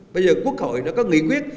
bây giờ quốc hội đã có nghị quyết